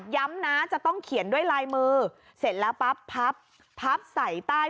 ย้ำนะจะต้องเขียนด้วยลายมือเสร็จแล้วปั๊บพับพับใส่ใต้